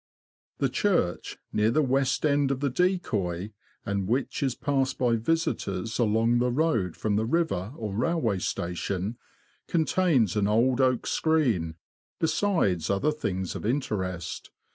The church, near the west end of the Decoy, and which is passed by visitors along the road from the river or railway station, contains an old oak screen, besides other things of interest.